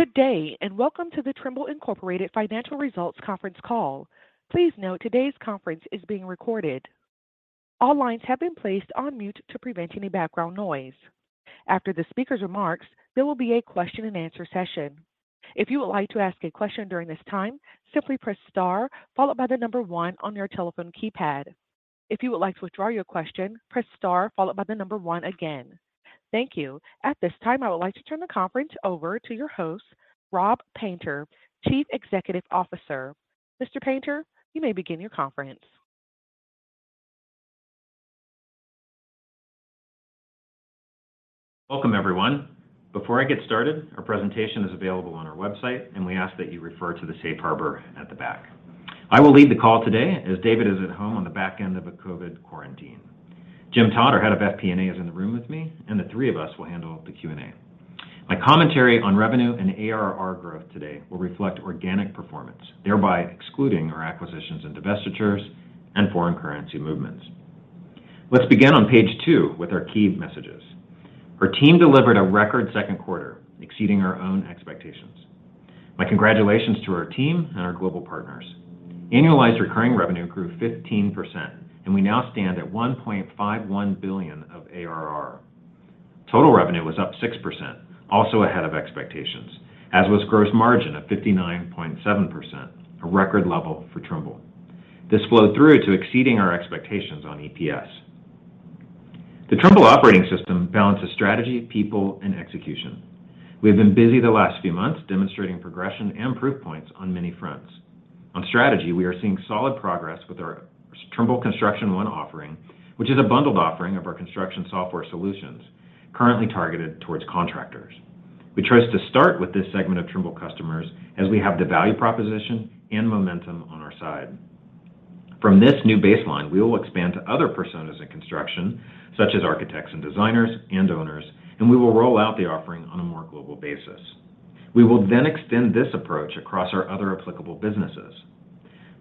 Good day, and welcome to the Trimble Inc. Financial Results conference call. Please note today's conference is being recorded. All lines have been placed on mute to prevent any background noise. After the speaker's remarks, there will be a question-and-answer session. If you would like to ask a question during this time, simply press star followed by the number one on your telephone keypad. If you would like to withdraw your question, press star followed by the number one again. Thank you. At this time, I would like to turn the conference over to your host, Rob Painter, Chief Executive Officer. Mr. Painter, you may begin your conference. Welcome, everyone. Before I get started, our presentation is available on our website, and we ask that you refer to the safe harbor at the back. I will lead the call today as David is at home on the back end of a COVID quarantine. Jim Todd, our Head of FP&A, is in the room with me, and the three of us will handle the Q&A. My commentary on revenue and ARR growth today will reflect organic performance, thereby excluding our acquisitions and divestitures and foreign currency movements. Let's begin on page two with our key messages. Our team delivered a record Q2, exceeding our own expectations. My congratulations to our team and our global partners. Annualized recurring revenue grew 15%, and we now stand at $1.51 billion of ARR. Total revenue was up 6%, also ahead of expectations, as was gross margin of 59.7%, a record level for Trimble. This flowed through to exceeding our expectations on EPS. The Trimble Operating System balances strategy, people, and execution. We have been busy the last few months demonstrating progression and proof points on many fronts. On strategy, we are seeing solid progress with our Trimble Construction One offering, which is a bundled offering of our construction software solutions currently targeted towards contractors. We chose to start with this segment of Trimble customers as we have the value proposition and momentum on our side. From this new baseline, we will expand to other personas in construction, such as architects and designers and owners, and we will roll out the offering on a more global basis. We will then extend this approach across our other applicable businesses.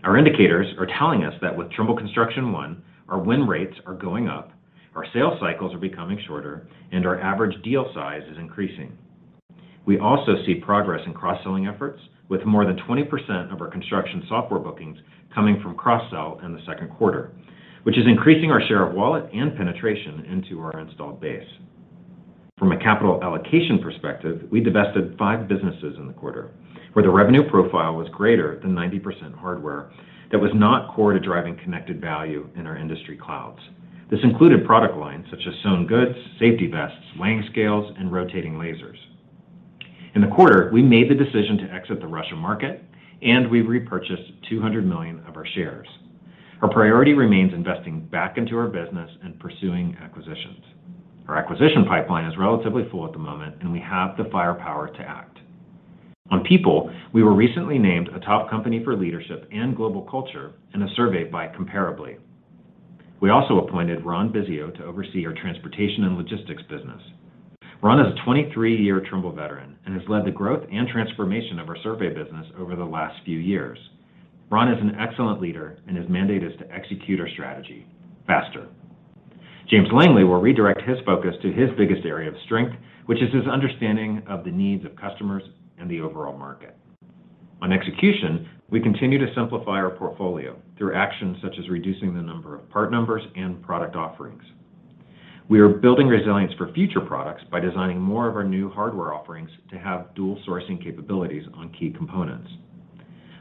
Our indicators are telling us that with Trimble Construction One, our win rates are going up, our sales cycles are becoming shorter, and our average deal size is increasing. We also see progress in cross-selling efforts with more than 20% of our construction software bookings coming from cross-sell in the Q2, which is increasing our share of wallet and penetration into our installed base. From a capital allocation perspective, we divested five businesses in the quarter, where the revenue profile was greater than 90% hardware that was not core to driving connected value in our industry clouds. This included product lines such as sewn goods, safety vests, weighing scales, and rotating lasers. In the quarter, we made the decision to exit the Russian market, and we repurchased 200 million of our shares. Our priority remains investing back into our business and pursuing acquisitions. Our acquisition pipeline is relatively full at the moment, and we have the firepower to act. On people, we were recently named a top company for leadership and global culture in a survey by Comparably. We also appointed Ron Bisio to oversee our transportation and logistics business. Ron is a 23-year Trimble veteran and has led the growth and transformation of our survey business over the last few years. Ron is an excellent leader and his mandate is to execute our strategy faster. James Langley will redirect his focus to his biggest area of strength, which is his understanding of the needs of customers and the overall market. On execution, we continue to simplify our portfolio through actions such as reducing the number of part numbers and product offerings. We are building resilience for future products by designing more of our new hardware offerings to have dual sourcing capabilities on key components.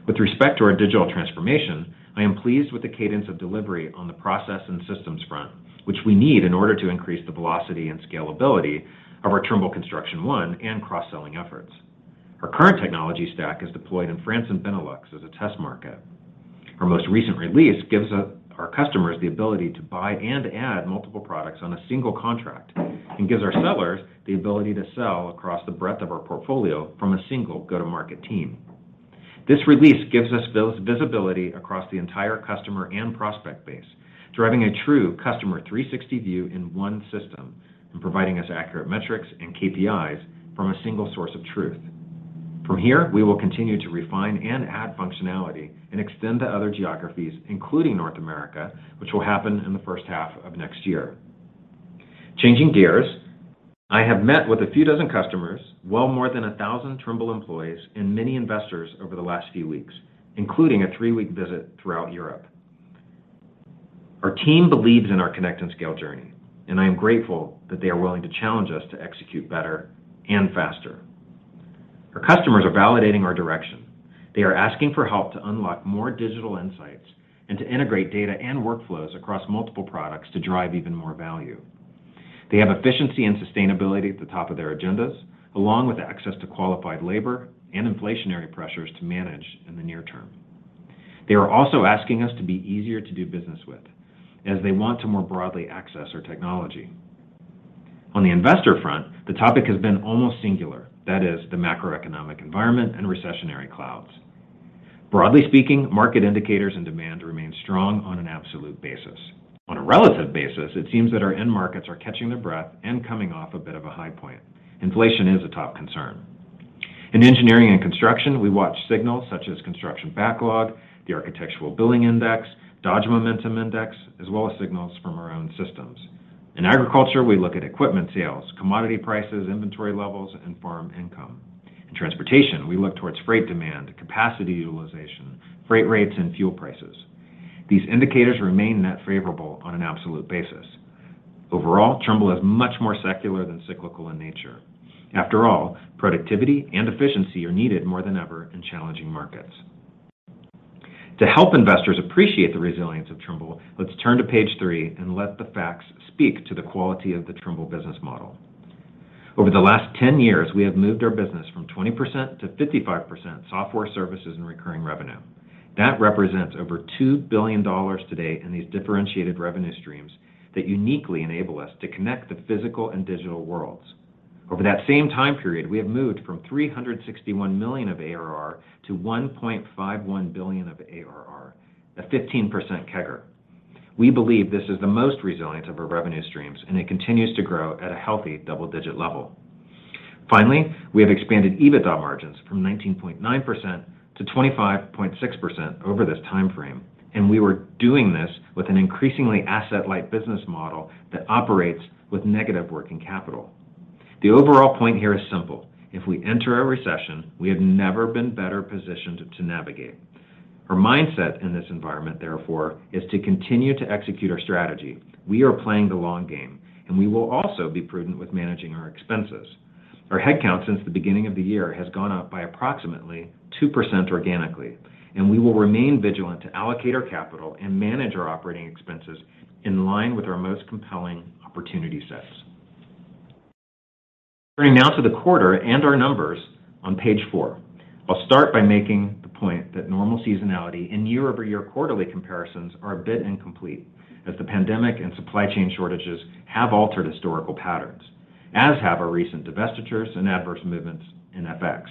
With respect to our digital transformation, I am pleased with the cadence of delivery on the process and systems front, which we need in order to increase the velocity and scalability of our Trimble Construction One and cross-selling efforts. Our current technology stack is deployed in France and Benelux as a test market. Our most recent release gives our customers the ability to buy and add multiple products on a single contract and gives our sellers the ability to sell across the breadth of our portfolio from a single go-to-market team. This release gives us visibility across the entire customer and prospect base, driving a true customer 360 view in one system and providing us accurate metrics and KPIs from a single source of truth. From here, we will continue to refine and add functionality and extend to other geographies, including North America, which will happen in the H1 of next year. Changing gears, I have met with a few dozen customers, well more than 1,000 Trimble employees, and many investors over the last few weeks, including a three-week visit throughout Europe. Our team believes in our connect and scale journey, and I am grateful that they are willing to challenge us to execute better and faster. Our customers are validating our direction. They are asking for help to unlock more digital insights and to integrate data and workflows across multiple products to drive even more value. They have efficiency and sustainability at the top of their agendas, along with access to qualified labor and inflationary pressures to manage in the near term. They are also asking us to be easier to do business with as they want to more broadly access our technology. On the investor front, the topic has been almost singular. That is the macroeconomic environment and recessionary clouds. Broadly speaking, market indicators and demand remain strong on an absolute basis. On a relative basis, it seems that our end markets are catching their breath and coming off a bit of a high point. Inflation is a top concern. In engineering and construction, we watch signals such as construction backlog, the Architecture Billing Index, Dodge Momentum Index, as well as signals from our own systems. In agriculture, we look at equipment sales, commodity prices, inventory levels, and farm income. In transportation, we look towards freight demand, capacity utilization, freight rates, and fuel prices. These indicators remain net favorable on an absolute basis. Overall, Trimble is much more secular than cyclical in nature. After all, productivity and efficiency are needed more than ever in challenging markets. To help investors appreciate the resilience of Trimble, let's turn to page three and let the facts speak to the quality of the Trimble business model. Over the last 10 years, we have moved our business from 20% to 55% software services and recurring revenue. That represents over $2 billion today in these differentiated revenue streams that uniquely enable us to connect the physical and digital worlds. Over that same time period, we have moved from $361 million of ARR to $1.51 billion of ARR, a 15% CAGR. We believe this is the most resilient of our revenue streams, and it continues to grow at a healthy double-digit level. Finally, we have expanded EBITDA margins from 19.9% to 25.6% over this time frame, and we were doing this with an increasingly asset-light business model that operates with negative working capital. The overall point here is simple. If we enter a recession, we have never been better positioned to navigate. Our mindset in this environment, therefore, is to continue to execute our strategy. We are playing the long game, and we will also be prudent with managing our expenses. Our headcount since the beginning of the year has gone up by approximately 2% organically, and we will remain vigilant to allocate our capital and manage our operating expenses in line with our most compelling opportunity sets. Turning now to the quarter and our numbers on page four. I'll start by making the point that normal seasonality and year-over-year quarterly comparisons are a bit incomplete as the pandemic and supply chain shortages have altered historical patterns, as have our recent divestitures and adverse movements in FX.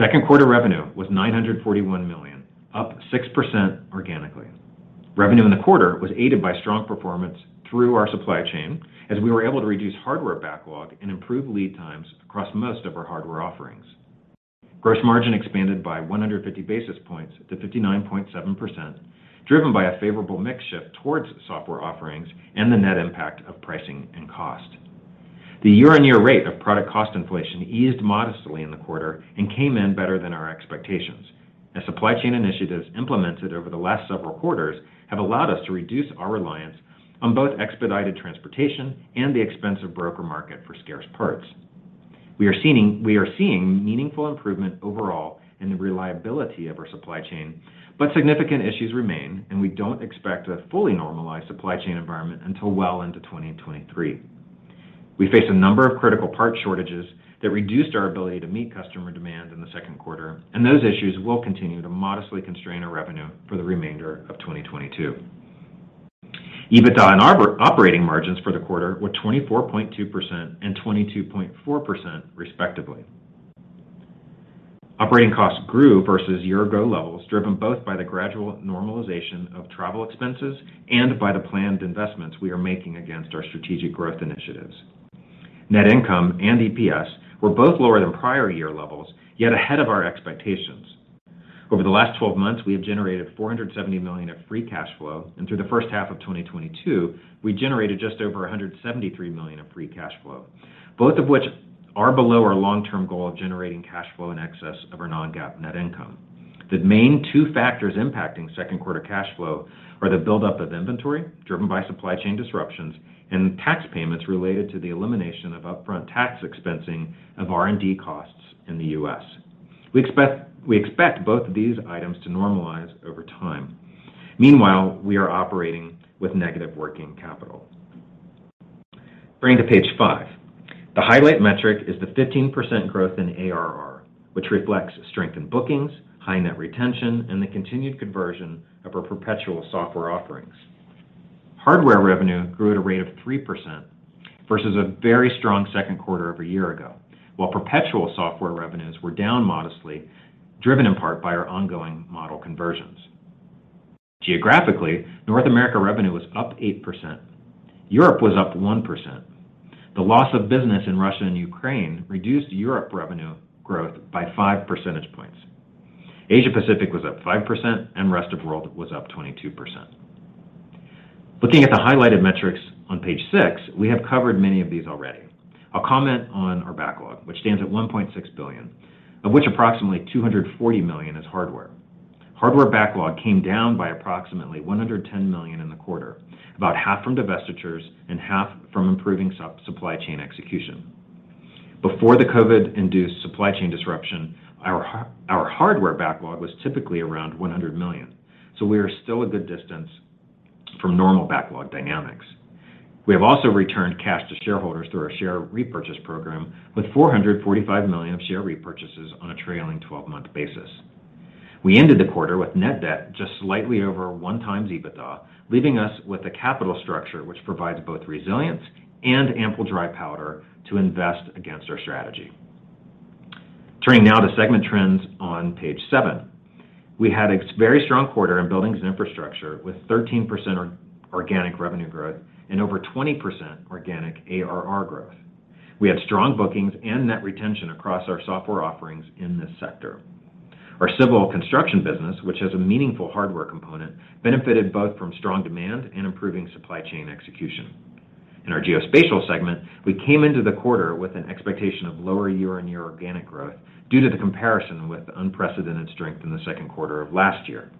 Q2 revenue was $941 million, up 6% organically. Revenue in the quarter was aided by strong performance through our supply chain as we were able to reduce hardware backlog and improve lead times across most of our hardware offerings. Gross margin expanded by 150 basis points to 59.7%, driven by a favorable mix shift towards software offerings and the net impact of pricing and cost. The year-on-year rate of product cost inflation eased modestly in the quarter and came in better than our expectations. Supply chain initiatives implemented over the last several quarters have allowed us to reduce our reliance on both expedited transportation and the expensive broker market for scarce parts. We are seeing meaningful improvement overall in the reliability of our supply chain, but significant issues remain, and we don't expect a fully normalized supply chain environment until well into 2023. We face a number of critical part shortages that reduced our ability to meet customer demand in the Q2, and those issues will continue to modestly constrain our revenue for the remainder of 2022. EBITDA and operating margins for the quarter were 24.2% and 22.4% respectively. Operating costs grew versus year-ago levels, driven both by the gradual normalization of travel expenses and by the planned investments we are making against our strategic growth initiatives. Net income and EPS were both lower than prior year levels, yet ahead of our expectations. Over the last 12 months, we have generated $470 million of free cash flow, and through the H1 of 2022, we generated just over $173 million of free cash flow, both of which are below our long-term goal of generating cash flow in excess of our non-GAAP net income. The main two factors impacting Q2 cash flow are the buildup of inventory, driven by supply chain disruptions, and tax payments related to the elimination of upfront tax expensing of R&D costs in the U.S. We expect both of these items to normalize over time. Meanwhile, we are operating with negative working capital. Turning to page five. The highlight metric is the 15% growth in ARR, which reflects strength in bookings, high net retention, and the continued conversion of our perpetual software offerings. Hardware revenue grew at a rate of 3% versus a very strong Q2 over a year ago, while perpetual software revenues were down modestly, driven in part by our ongoing model conversions. Geographically, North America revenue was up 8%. Europe was up 1%. The loss of business in Russia and Ukraine reduced Europe revenue growth by five percentage points. Asia Pacific was up 5%, and rest of world was up 22%. Looking at the highlighted metrics on page six, we have covered many of these already. I'll comment on our backlog, which stands at $1.6 billion, of which approximately $240 million is hardware. Hardware backlog came down by approximately $110 million in the quarter, about half from divestitures and half from improving supply chain execution. Before the COVID-induced supply chain disruption, our hardware backlog was typically around $100 million, so we are still a good distance from normal backlog dynamics. We have also returned cash to shareholders through our share repurchase program with $445 million of share repurchases on a trailing 12-month basis. We ended the quarter with net debt just slightly over 1x EBITDA, leaving us with a capital structure which provides both resilience and ample dry powder to invest against our strategy. Turning now to segment trends on page seven. We had a very strong quarter in buildings and infrastructure with 13% organic revenue growth and over 20% organic ARR growth. We had strong bookings and net retention across our software offerings in this sector. Our civil construction business, which has a meaningful hardware component, benefited both from strong demand and improving supply chain execution. In our geospatial segment, we came into the quarter with an expectation of lower year-on-year organic growth due to the comparison with unprecedented strength in the Q2 of last year.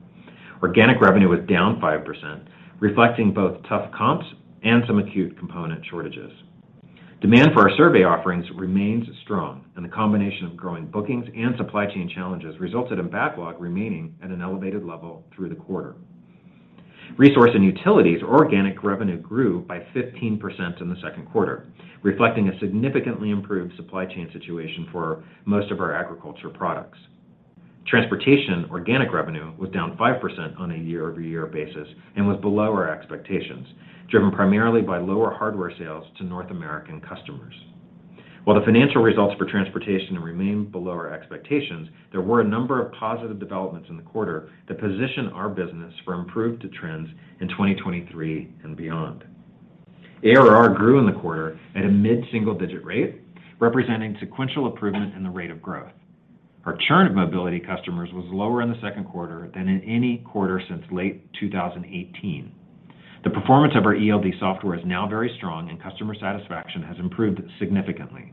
Organic revenue was down 5%, reflecting both tough comps and some acute component shortages. Demand for our survey offerings remains strong, and the combination of growing bookings and supply chain challenges resulted in backlog remaining at an elevated level through the quarter. Resources and utilities organic revenue grew by 15% in the Q2, reflecting a significantly improved supply chain situation for most of our agriculture products. Transportation organic revenue was down 5% on a year-over-year basis and was below our expectations, driven primarily by lower hardware sales to North American customers. While the financial results for transportation remain below our expectations, there were a number of positive developments in the quarter that position our business for improved trends in 2023 and beyond. ARR grew in the quarter at a mid-single-digit rate, representing sequential improvement in the rate of growth. Our churn of mobility customers was lower in the Q2 than in any quarter since late 2018. The performance of our ELD software is now very strong, and customer satisfaction has improved significantly.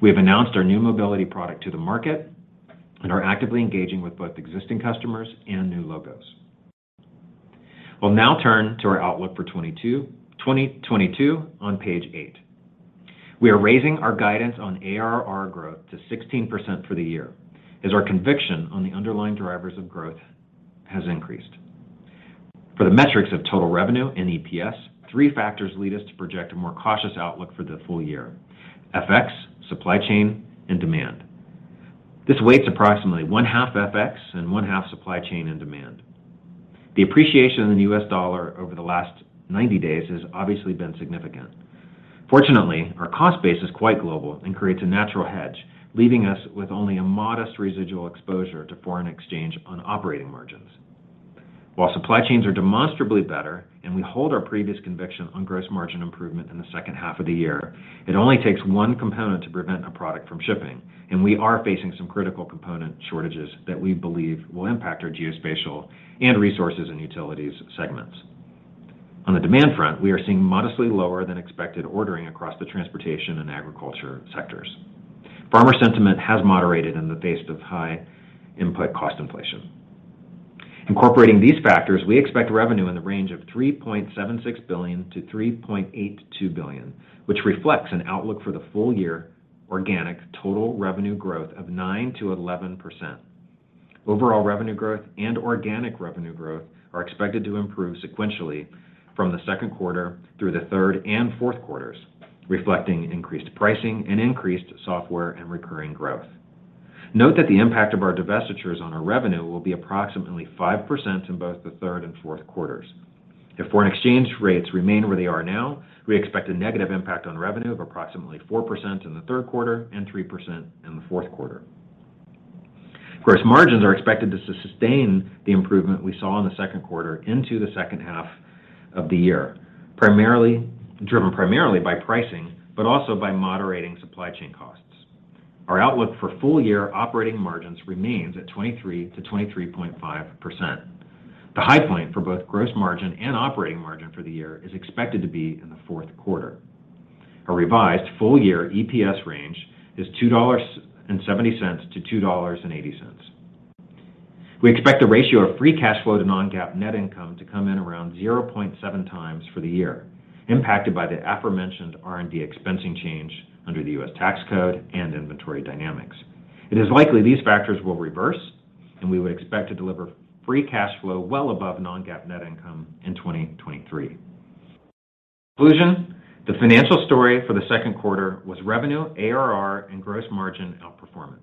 We have announced our new mobility product to the market and are actively engaging with both existing customers and new logos. We'll now turn to our outlook for 2022 on page eight. We are raising our guidance on ARR growth to 16% for the year as our conviction on the underlying drivers of growth has increased. For the metrics of total revenue and EPS, three factors lead us to project a more cautious outlook for the full year, FX, supply chain, and demand. This weighs approximately one-half FX and one-half supply chain and demand. The appreciation in the U.S. dollar over the last 90 days has obviously been significant. Fortunately, our cost base is quite global and creates a natural hedge, leaving us with only a modest residual exposure to foreign exchange on operating margins. While supply chains are demonstrably better and we hold our previous conviction on gross margin improvement in the H2 of the year, it only takes one component to prevent a product from shipping, and we are facing some critical component shortages that we believe will impact our geospatial and resources and utilities segments. On the demand front, we are seeing modestly lower than expected ordering across the transportation and agriculture sectors. Farmer sentiment has moderated in the face of high input cost inflation. Incorporating these factors, we expect revenue in the range of $3.76 billion-$3.82 billion, which reflects an outlook for the full year organic total revenue growth of 9%-11%. Overall revenue growth and organic revenue growth are expected to improve sequentially from the Q2 through the third and Q4s, reflecting increased pricing and increased software and recurring growth. Note that the impact of our divestitures on our revenue will be approximately 5% in both the third and Q4s. If foreign exchange rates remain where they are now, we expect a negative impact on revenue of approximately 4% in the Q3 and 3% in the Q4. Gross margins are expected to sustain the improvement we saw in the Q2 into the H2 of the year, primarily driven by pricing but also by moderating supply chain costs. Our outlook for full year operating margins remains at 23%-23.5%. The high point for both gross margin and operating margin for the year is expected to be in the Q4. Our revised full year EPS range is $2.70-$2.80. We expect the ratio of free cash flow to non-GAAP net income to come in around 0.7x for the year, impacted by the aforementioned R&D expensing change under the U.S. tax code and inventory dynamics. It is likely these factors will reverse, and we would expect to deliver free cash flow well above non-GAAP net income in 2023. Conclusion, the financial story for the Q2 was revenue, ARR, and gross margin outperformance.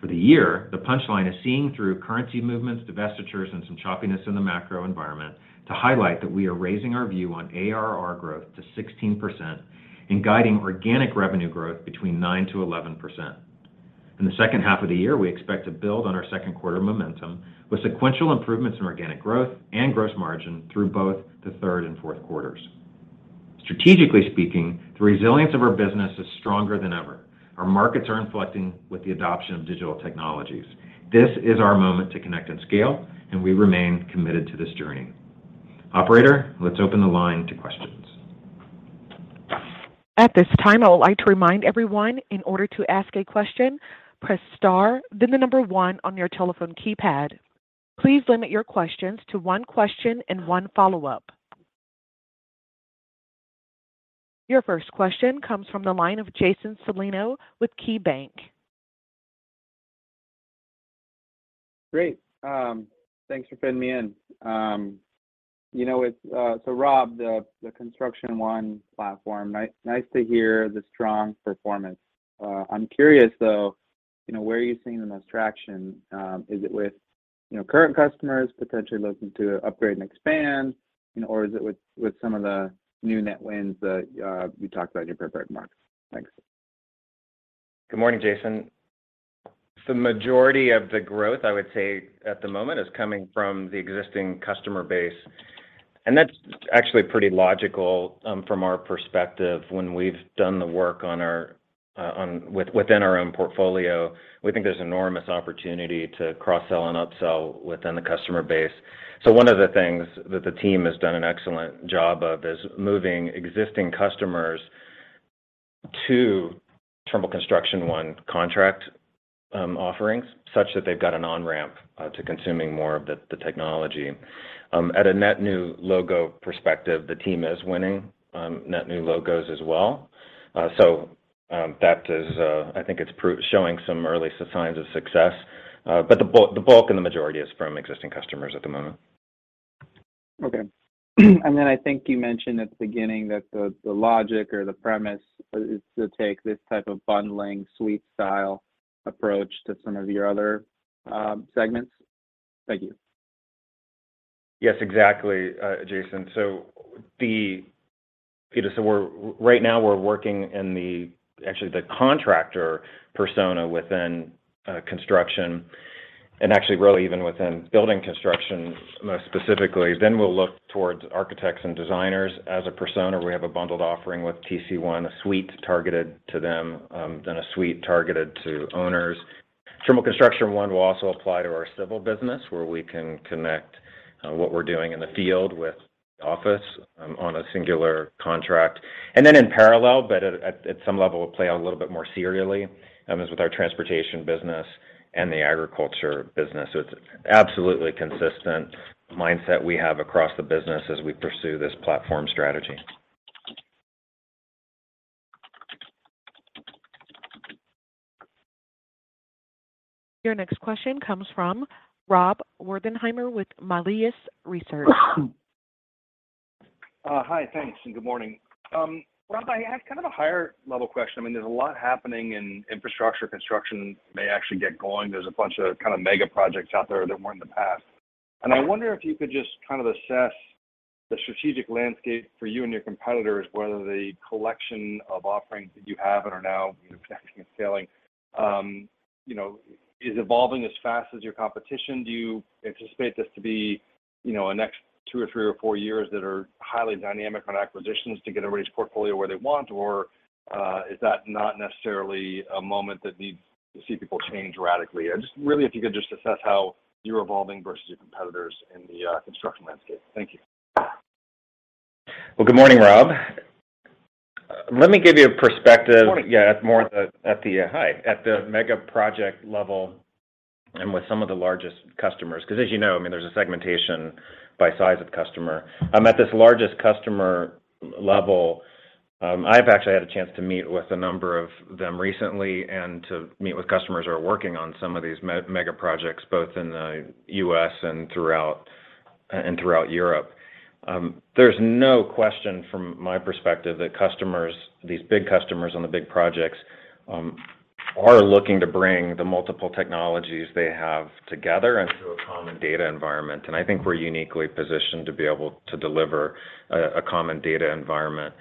For the year, the punchline is seeing through currency movements, divestitures, and some choppiness in the macro environment to highlight that we are raising our view on ARR growth to 16% and guiding organic revenue growth between 9%-11%. In the H2 of the year, we expect to build on our Q2 momentum with sequential improvements in organic growth and gross margin through both the third and Q4s. Strategically speaking, the resilience of our business is stronger than ever. Our markets are inflecting with the adoption of digital technologies. This is our moment to connect and scale, and we remain committed to this journey. Operator, let's open the line to questions. At this time, I would like to remind everyone, in order to ask a question, press star then the number one on your telephone keypad. Please limit your questions to one question and one follow-up. Your first question comes from the line of Jason Celino with KeyBanc. Great. Thanks for fitting me in. You know, with so Rob, the Trimble Construction One platform, nice to hear the strong performance. I'm curious though, you know, where are you seeing the most traction? Is it with, you know, current customers potentially looking to upgrade and expand, you know, or is it with some of the new net wins that you talked about in your prepared remarks? Thanks. Good morning, Jason. The majority of the growth, I would say at the moment, is coming from the existing customer base. That's actually pretty logical, from our perspective when we've done the work on our within our own portfolio, we think there's enormous opportunity to cross-sell and upsell within the customer base. One of the things that the team has done an excellent job of is moving existing customers to Trimble Construction One contract offerings, such that they've got an on-ramp to consuming more of the technology. At a net new logo perspective, the team is winning net new logos as well. That is, I think it's showing some early signs of success. But the bulk and the majority is from existing customers at the moment. Okay. I think you mentioned at the beginning that the logic or the premise is to take this type of bundling suite style approach to some of your other segments. Thank you. Yes, exactly, Jason. SoRight now we're working in actually the contractor persona within construction and actually really even within building construction most specifically. We'll look towards architects and designers as a persona. We have a bundled offering with TC One, a suite targeted to them, then a suite targeted to owners. Trimble Construction One will also apply to our civil business, where we can connect what we're doing in the field with office on a singular contract. In parallel, but at some level, we'll play out a little bit more serially with our transportation business and the agriculture business. It's absolutely consistent mindset we have across the business as we pursue this platform strategy. Your next question comes from Rob Wertheimer with Melius Research. Hi, thanks, and good morning. Rob, I have kind of a higher level question. I mean, there's a lot happening in infrastructure. Construction may actually get going. There's a bunch of kind of mega projects out there weren't in the past. I wonder if you could just kind of assess the strategic landscape for you and your competitors, whether the collection of offerings that you have and are now connecting and scaling, you know, is evolving as fast as your competition. Do you anticipate this to be, you know, a next two or three or four years that are highly dynamic on acquisitions to get everybody's portfolio where they want? Or, is that not necessarily a moment that you see people change radically? Just really, if you could just assess how you're evolving versus your competitors in the construction landscape. Thank you. Well, good morning, Rob. Let me give you a perspective. Good morning. At the mega project level and with some of the largest customers, because as you know, I mean, there's a segmentation by size of customer. At this largest customer level, I've actually had a chance to meet with a number of them recently and to meet with customers who are working on some of these mega projects, both in the U.S. and throughout Europe. There's no question from my perspective that customers, these big customers on the big projects, are looking to bring the multiple technologies they have together into a common data environment. I think we're uniquely positioned to be able to deliver a common data environment.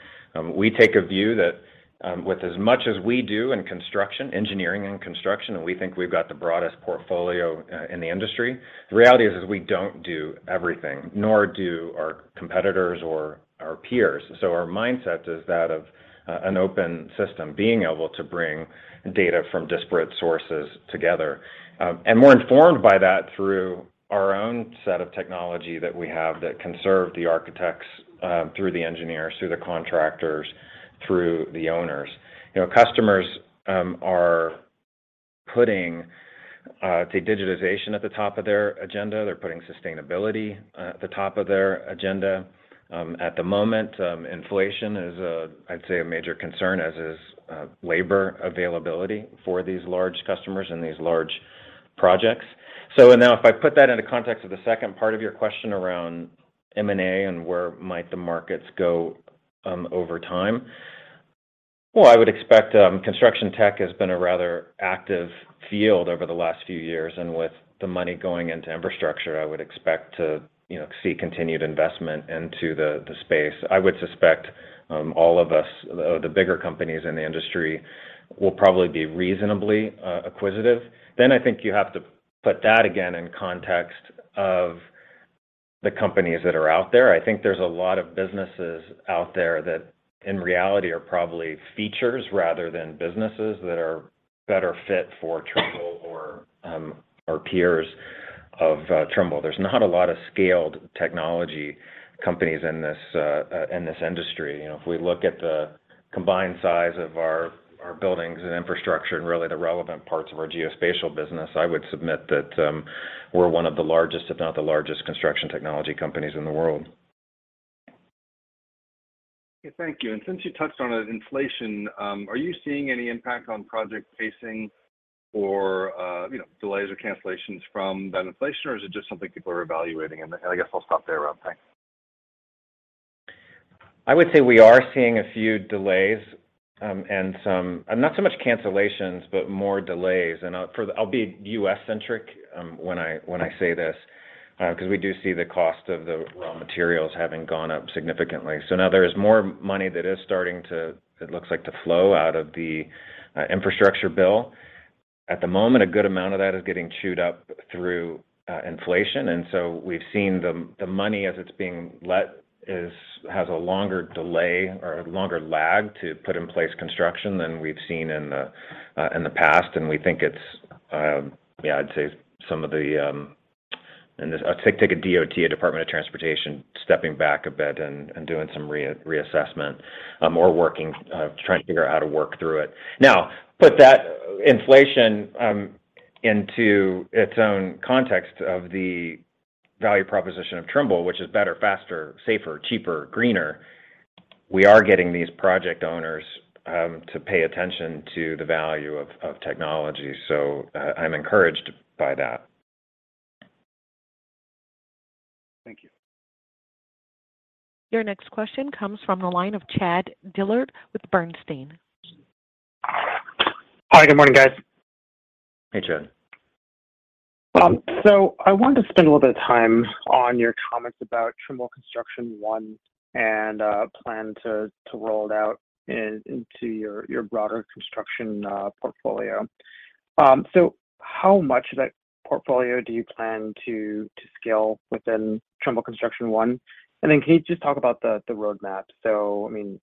We take a view that, with as much as we do in construction, engineering and construction, and we think we've got the broadest portfolio in the industry, the reality is we don't do everything, nor do our competitors or our peers. Our mindset is that of an open system being able to bring data from disparate sources together. We're informed by that through our own set of technology that we have that can serve the architects through the engineers, through the contractors, through the owners. You know, customers are putting, say, digitization at the top of their agenda. They're putting sustainability at the top of their agenda. At the moment, inflation is a, I'd say, a major concern, as is labor availability for these large customers and these large projects. Now, if I put that into context of the second part of your question around M&A and where might the markets go over time, well, I would expect construction tech has been a rather active field over the last few years, and with the money going into infrastructure, I would expect to, you know, see continued investment into the space. I would suspect all of us, the bigger companies in the industry will probably be reasonably acquisitive. I think you have to put that again in context of the companies that are out there. I think there's a lot of businesses out there that, in reality, are probably features rather than businesses that are better fit for Trimble or peers of Trimble. There's not a lot of scaled technology companies in this industry. You know, if we look at the combined size of our buildings and infrastructure and really the relevant parts of our geospatial business, I would submit that we're one of the largest, if not the largest, construction technology companies in the world. Thank you. Since you touched on inflation, are you seeing any impact on project pacing or, you know, delays or cancellations from that inflation, or is it just something people are evaluating? I guess I'll stop there, Rob. Thanks. I would say we are seeing a few delays. Not so much cancellations, but more delays. I'll be US-centric when I say this, because we do see the cost of the raw materials having gone up significantly. Now there is more money that is starting to, it looks like, to flow out of the infrastructure bill. At the moment, a good amount of that is getting chewed up through inflation. We've seen the money as it's being released has a longer delay or a longer lag to put in place construction than we've seen in the past. We think it's, yeah, I'd say some of the. Take a DOT, a Department of Transportation, stepping back a bit and doing some reassessment, or working, trying to figure out how to work through it. Now, put that inflation into its own context of the value proposition of Trimble, which is better, faster, safer, cheaper, greener. We are getting these project owners to pay attention to the value of technology. I'm encouraged by that. Thank you. Your next question comes from the line of Chad Dillard with Bernstein. Hi. Good morning, guys. Hey, Chad. I wanted to spend a little bit of time on your comments about Trimble Construction One and plan to roll it out into your broader construction portfolio. How much of that portfolio do you plan to scale within Trimble Construction One? Can you just talk about the roadmap? I mean,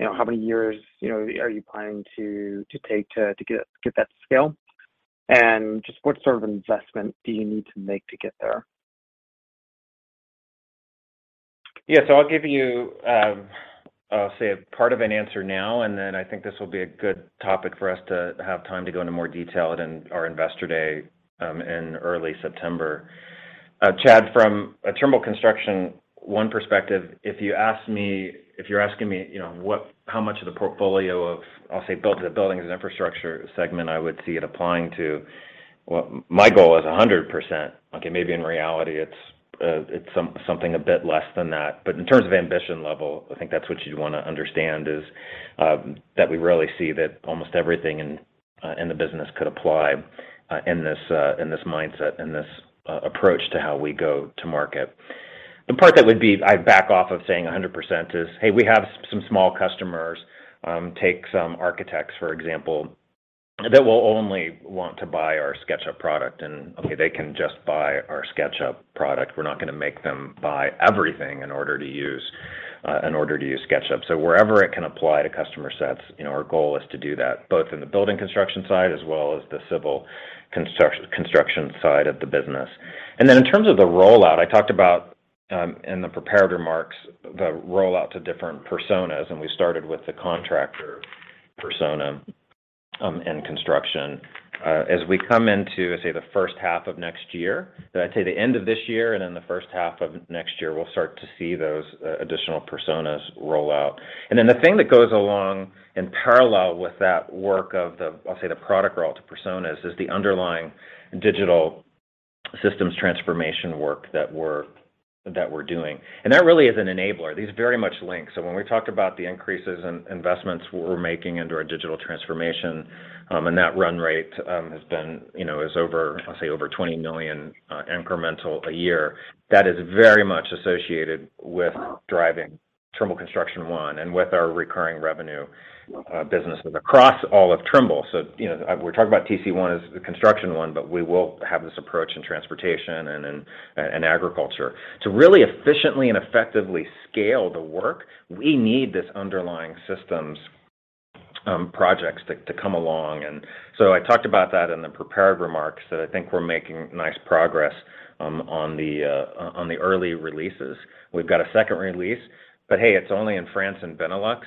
you know, how many years, you know, are you planning to take to get that to scale? Just what sort of investment do you need to make to get there? Yeah. I'll give you, I'll say a part of an answer now, and then I think this will be a good topic for us to have time to go into more detail at our Investor Day in early September. Chad, from a Trimble Construction One perspective, if you're asking me, you know, how much of the portfolio of, I'll say, the buildings and infrastructure segment I would see it applying to, well, my goal is 100%. Okay. Maybe in reality it's something a bit less than that. In terms of ambition level, I think that's what you'd wanna understand is that we really see that almost everything in the business could apply in this mindset, in this approach to how we go to market. The part that would be I back off of saying 100% is, hey, we have some small customers, take some architects, for example, that will only want to buy our SketchUp product. Okay, they can just buy our SketchUp product. We're not gonna make them buy everything in order to use SketchUp. Wherever it can apply to customer sets, you know, our goal is to do that, both in the building construction side as well as the civil construction side of the business. Then in terms of the rollout, I talked about in the prepared remarks, the rollout to different personas, and we started with the contractor persona, in construction. As we come into, say the H1 of next year, I'd say the end of this year and then the H1 of next year, we'll start to see those additional personas roll out. The thing that goes along in parallel with that work of the, I'll say, the product roll to personas, is the underlying digital systems transformation work that we're doing. That really is an enabler. These very much link. When we talked about the increases in investments we're making into our digital transformation, and that run rate has been, you know, is over, I'll say over $20 million incremental a year, that is very much associated with driving Trimble Construction One and with our recurring revenue businesses across all of Trimble. You know, we're talking about TC One as Construction One, but we will have this approach in transportation and agriculture. To really efficiently and effectively scale the work, we need this underlying systems projects to come along. I talked about that in the prepared remarks, that I think we're making nice progress on the early releases. We've got a second release, but hey, it's only in France and Benelux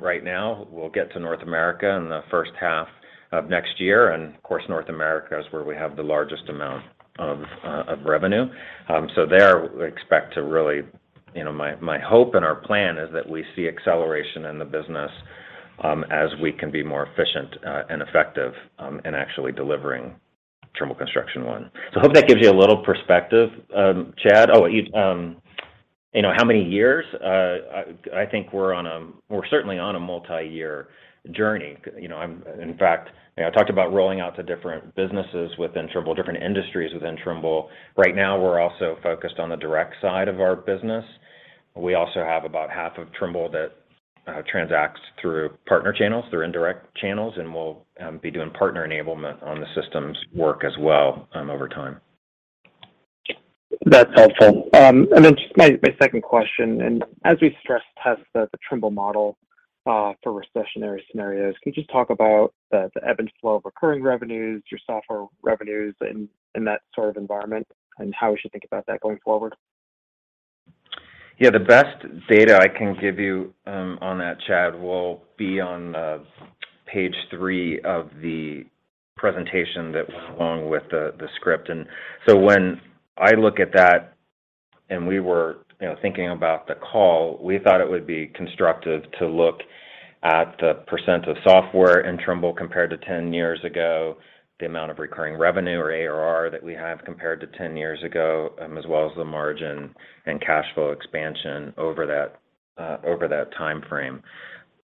right now. We'll get to North America in the H1 of next year. Of course, North America is where we have the largest amount of revenue. There we expect to really. You know, my hope and our plan is that we see acceleration in the business as we can be more efficient and effective in actually delivering Trimble Construction One. Hope that gives you a little perspective, Chad. Oh, you know, how many years? I think we're certainly on a multi-year journey. You know, in fact, you know, I talked about rolling out to different businesses within Trimble, different industries within Trimble. Right now, we're also focused on the direct side of our business. We also have about half of Trimble that transacts through partner channels, through indirect channels, and we'll be doing partner enablement on the systems work as well over time. That's helpful. Just my second question, as we stress test the Trimble model for recessionary scenarios, can you just talk about the ebb and flow of recurring revenues, your software revenues in that sort of environment, and how we should think about that going forward? Yeah. The best data I can give you on that, Chad, will be on page three of the presentation that went along with the script. When I look at that and we were, you know, thinking about the call, we thought it would be constructive to look at the % of software in Trimble compared to 10 years ago, the amount of recurring revenue or ARR that we have compared to 10 years ago, as well as the margin and cash flow expansion over that timeframe.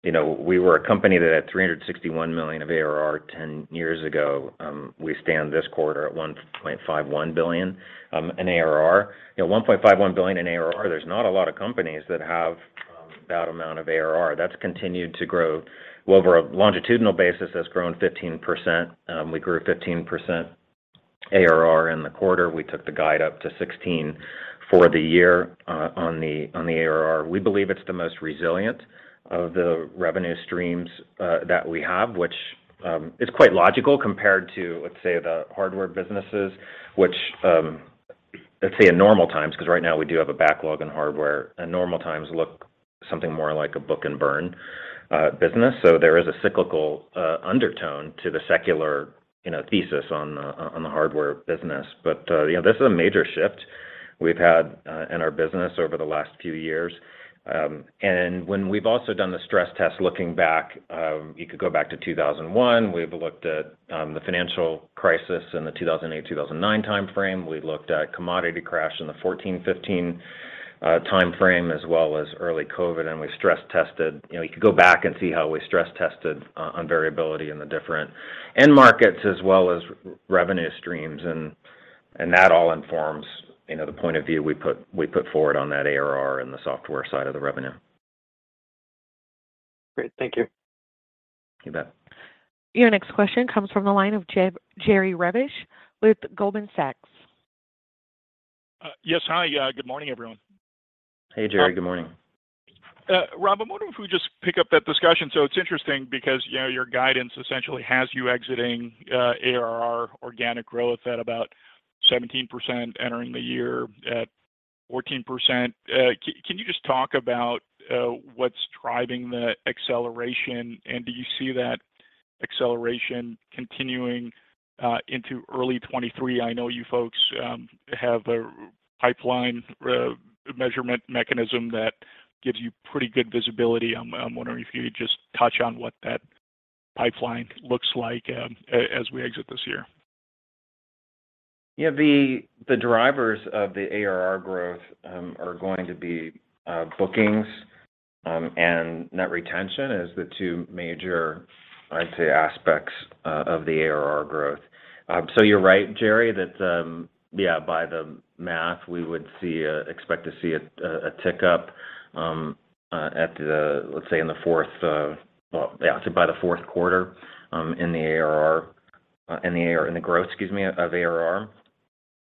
You know, we were a company that had $361 million of ARR 10 years ago. We stand this quarter at $1.51 billion in ARR. You know, $1.51 billion in ARR, there's not a lot of companies that have that amount of ARR, that's continued to grow. Over a longitudinal basis, that's grown 15%. We grew 15% ARR in the quarter. We took the guide up to 16 for the year, on the ARR. We believe it's the most resilient of the revenue streams that we have, which is quite logical compared to, let's say, the hardware businesses which, let's say in normal times, 'cause right now we do have a backlog in hardware. In normal times look something more like a book-and-burn business. There is a cyclical undertone to the secular, you know, thesis on the hardware business. You know, this is a major shift we've had in our business over the last few years. When we've also done the stress test looking back, you could go back to 2001. We've looked at the financial crisis in the 2008, 2009 timeframe. We looked at commodity crash in the 2014, 2015 timeframe, as well as early COVID, and we stress-tested. You know, you could go back and see how we stress-tested on variability in the different end markets as well as revenue streams, and that all informs, you know, the point of view we put forward on that ARR in the software side of the revenue. Great. Thank you. You bet. Your next question comes from the line of Jerry Revich with Goldman Sachs. Yes. Hi. Good morning, everyone. Hey, Jerry. Good morning. Rob, I wonder if we just pick up that discussion. It's interesting because, you know, your guidance essentially has you exiting ARR organic growth at about 17%, entering the year at 14%. Can you just talk about what's driving the acceleration, and do you see that acceleration continuing into early 2023? I know you folks have a pipeline measurement mechanism that gives you pretty good visibility. I'm wondering if you could just touch on what that pipeline looks like as we exit this year. Yeah. The drivers of the ARR growth are going to be bookings and net retention as the two major, I'd say, aspects of the ARR growth. You're right, Jerry, that yeah, by the math, we would expect to see a tick up, let's say, well, yeah, I'd say by the Q4 in the growth, excuse me, of ARR.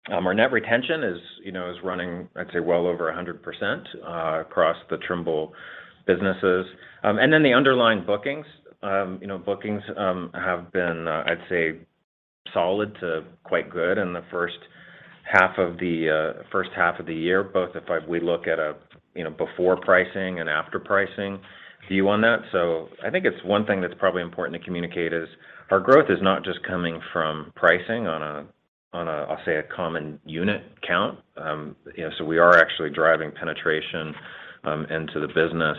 Our net retention, you know, is running, I'd say, well over 100% across the Trimble businesses. The underlying bookings, you know, have been, I'd say, solid to quite good in the H1 of the year, both we look at a, you know, before pricing and after pricing view on that. I think it's one thing that's probably important to communicate is our growth is not just coming from pricing on a, I'll say, a common unit count. You know, we are actually driving penetration into the business,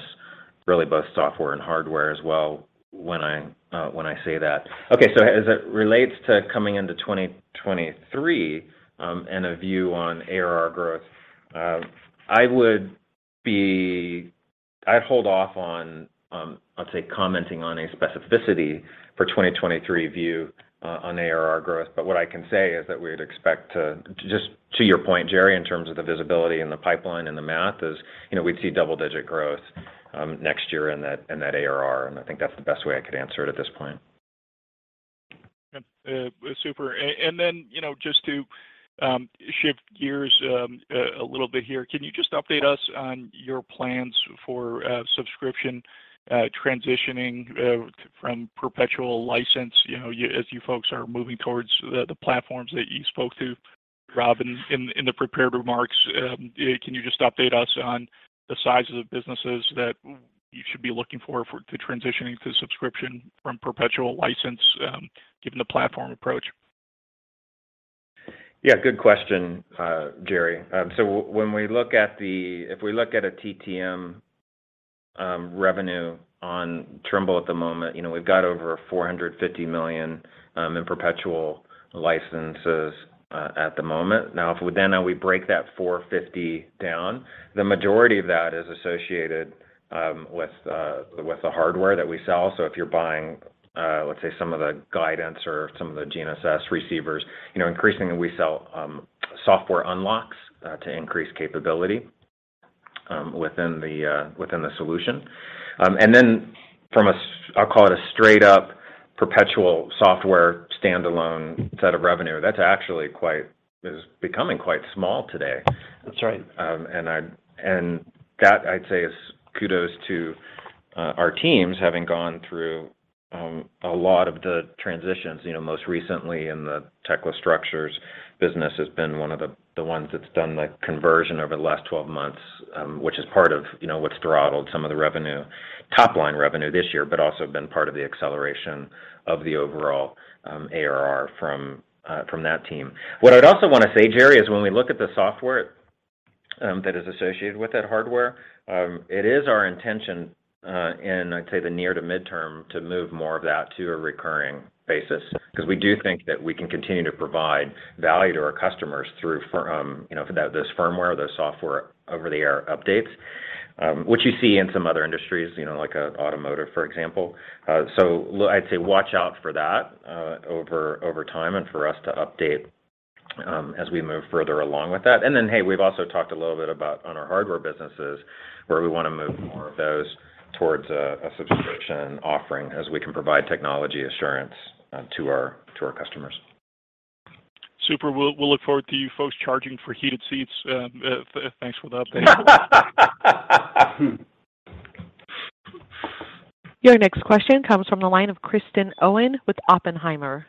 really both software and hardware as well when I say that. Okay. As it relates to coming into 2023, and a view on ARR growth, I would be. I'd hold off on, I'd say, commenting on a specificity for 2023 view on ARR growth. What I can say is that we'd expect. Just to your point, Jerry, in terms of the visibility and the pipeline and the math is, you know, we'd see double-digit growth next year in that, in that ARR, and I think that's the best way I could answer it at this point. Yeah. Super. Then, you know, just to shift gears a little bit here, can you just update us on your plans for subscription transitioning from perpetual license, you know, as you folks are moving towards the platforms that you spoke to, Rob, in the prepared remarks? Can you just update us on the size of the businesses that you should be looking for to transitioning to subscription from perpetual license, given the platform approach? Yeah, good question, Jerry. When we look at a TTM revenue on Trimble at the moment, you know, we've got over $450 million in perpetual licenses at the moment. Now, if we then break that $450 million down, the majority of that is associated with the hardware that we sell. If you're buying, let's say, some of the guidance or some of the GNSS receivers, you know, increasingly, we sell software unlocks to increase capability within the solution. I'll call it a straight up perpetual software standalone set of revenue, that's actually quite, is becoming quite small today. That's right. That I'd say is kudos to our teams having gone through a lot of the transitions. You know, most recently in the Tekla Structures business has been one of the ones that's done the conversion over the last 12 months, which is part of, you know, what's throttled some of the revenue, top line revenue this year, but also been part of the acceleration of the overall ARR from that team. What I'd also wanna say, Jerry, is when we look at the software that is associated with that hardware, it is our intention in, I'd say, the near to midterm to move more of that to a recurring basis. Because we do think that we can continue to provide value to our customers through, you know, for that. This firmware, those software over-the-air updates, which you see in some other industries, you know, like automotive, for example. I'd say watch out for that over time and for us to update as we move further along with that. Then, hey, we've also talked a little bit about our hardware businesses where we wanna move more of those towards a subscription offering as we can provide technology assurance to our customers. Super. We'll look forward to you folks charging for heated seats. Thanks for the update. Your next question comes from the line of Kristen Owen with Oppenheimer.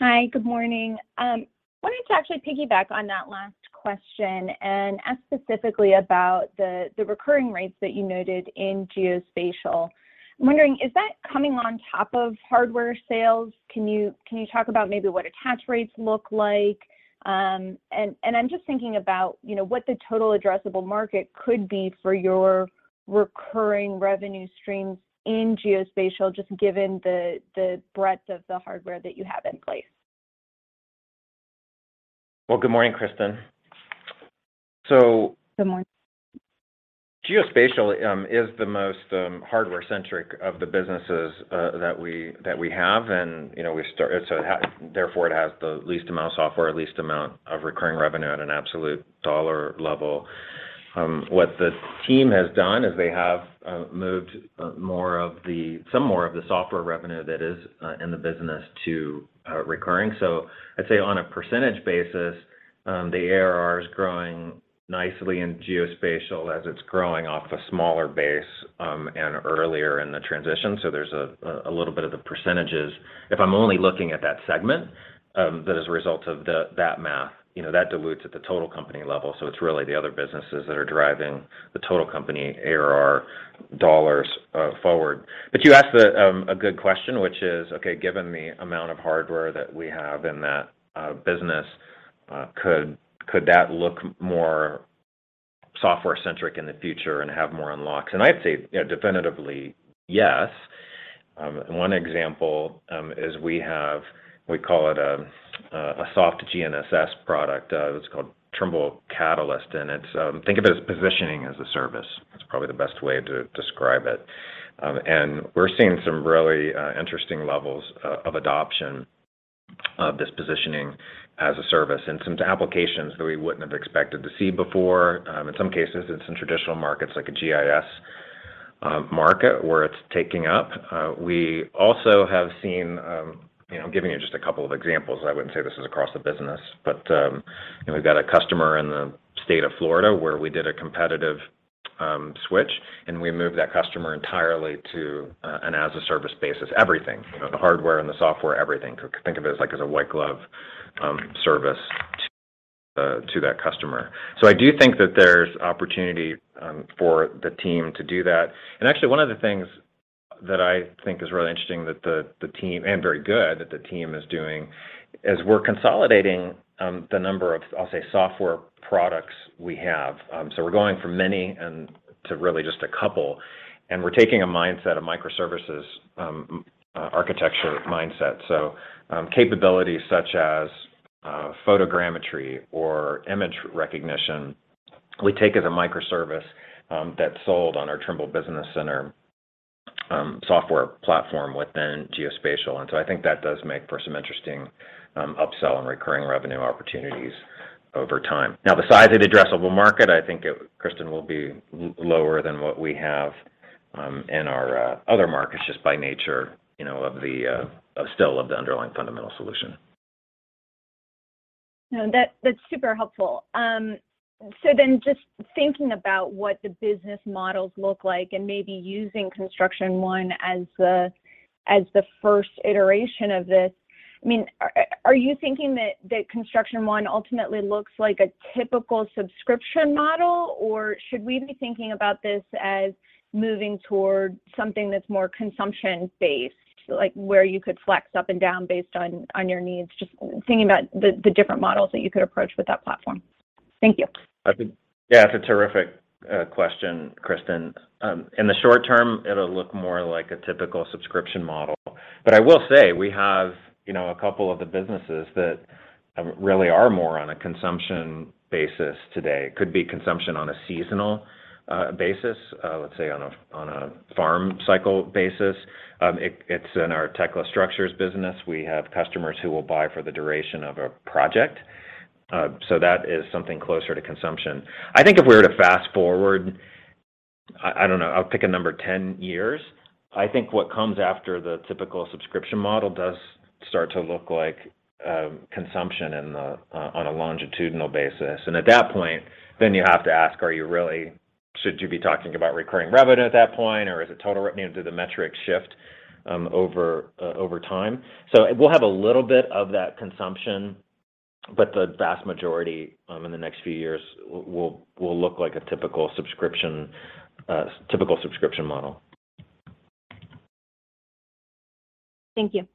Hi, good morning. Wanted to actually piggyback on that last question and ask specifically about the recurring rates that you noted in Geospatial. I'm wondering, is that coming on top of hardware sales? Can you talk about maybe what attach rates look like? I'm just thinking about, you know, what the total addressable market could be for your recurring revenue streams in Geospatial, just given the breadth of the hardware that you have in place. Well, good morning, Kristen. Good morning. Geospatial is the most hardware-centric of the businesses that we have and, you know, therefore, it has the least amount of software, least amount of recurring revenue at an absolute dollar level. What the team has done is they have moved some more of the software revenue that is in the business to recurring. I'd say on a percentage basis, the ARR is growing nicely in Geospatial as it's growing off a smaller base and earlier in the transition. There's a little bit of the percentages, if I'm only looking at that segment, that as a result of that math, you know, that dilutes at the total company level. It's really the other businesses that are driving the total company ARR dollars forward. You asked a good question, which is, okay, given the amount of hardware that we have in that business, could that look more software-centric in the future and have more unlocks? I'd say, you know, definitively yes. One example is we have we call it a soft GNSS product that's called Trimble Catalyst, and it's. Think of it as positioning as a service. That's probably the best way to describe it. We're seeing some really interesting levels of adoption of this positioning as a service in some applications that we wouldn't have expected to see before. In some cases, it's in traditional markets like a GIS market where it's taking up. We also have seen, you know, giving you just a couple of examples, I wouldn't say this is across the business, but, you know, we've got a customer in the state of Florida where we did a competitive switch, and we moved that customer entirely to an as a service basis, everything, you know, the hardware and the software, everything. Could think of it as like, as a white glove service to that customer. So I do think that there's opportunity for the team to do that. Actually, one of the things that I think is really interesting that the team, and very good that the team is doing, is we're consolidating the number of, I'll say, software products we have. We're going from many end to really just a couple, and we're taking a mindset of microservices architecture mindset. Capabilities such as photogrammetry or image recognition, we take as a microservice that's sold on our Trimble Business Center software platform within Geospatial. I think that does make for some interesting upsell and recurring revenue opportunities over time. Now, the size of addressable market, I think it, Kristen, will be lower than what we have in our other markets, just by nature, you know, of the scale of the underlying fundamental solution. No, that's super helpful. Just thinking about what the business models look like and maybe using Construction One as the first iteration of this, I mean, are you thinking that Construction One ultimately looks like a typical subscription model, or should we be thinking about this as moving toward something that's more consumption-based, like where you could flex up and down based on your needs? Just thinking about the different models that you could approach with that platform. Thank you. I think, yeah, it's a terrific question, Kristen. In the short term, it'll look more like a typical subscription model. I will say we have, you know, a couple of the businesses that really are more on a consumption basis today. Could be consumption on a seasonal basis, let's say on a farm cycle basis. It's in our Tekla Structures business. We have customers who will buy for the duration of a project, so that is something closer to consumption. I think if we were to fast-forward, I don't know, I'll pick a number, 10 years, I think what comes after the typical subscription model does start to look like consumption on a longitudinal basis. At that point, then you have to ask, should you be talking about recurring revenue at that point, or is it total revenue? Do the metrics shift over time? We'll have a little bit of that consumption, but the vast majority in the next few years will look like a typical subscription model. Thank you.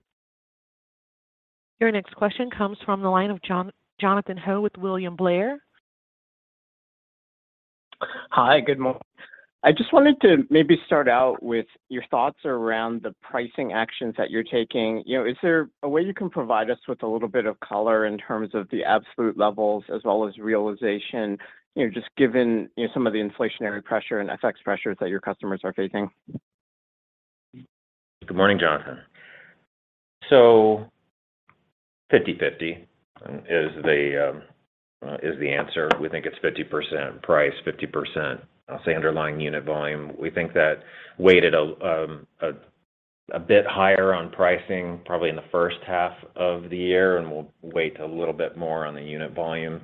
Your next question comes from the line of Jonathan Ho with William Blair. I just wanted to maybe start out with your thoughts around the pricing actions that you're taking. You know, is there a way you can provide us with a little bit of color in terms of the absolute levels as well as realization, you know, just given, you know, some of the inflationary pressure and FX pressures that your customers are facing? Good morning, Jonathan. 50/50 is the answer. We think it's 50% price, 50%, I'll say, underlying unit volume. We think that weighted a bit higher on pricing probably in the H1 of the year, and we'll weight a little bit more on the unit volume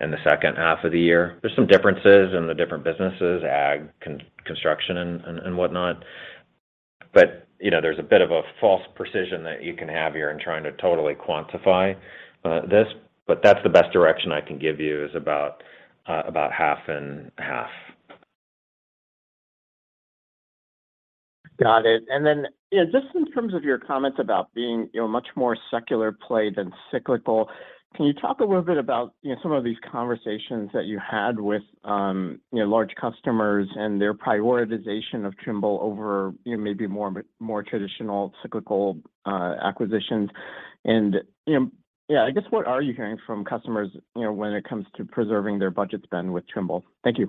in the H2 of the year. There's some differences in the different businesses, ag, construction and whatnot. You know, there's a bit of a false precision that you can have here in trying to totally quantify this. That's the best direction I can give you is about half and half. Got it. You know, just in terms of your comments about being, you know, much more secular play than cyclical, can you talk a little bit about, you know, some of these conversations that you had with, you know, large customers and their prioritization of Trimble over, you know, maybe more traditional cyclical acquisitions? You know, yeah, I guess, what are you hearing from customers, you know, when it comes to preserving their budget spend with Trimble? Thank you.